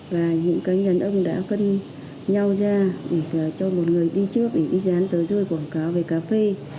và những cá nhân ông đã phân nhau ra để cho một người đi trước để đi dán tới rồi quảng cáo về cà phê